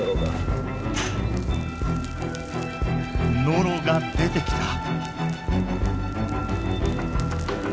ノロが出てきた。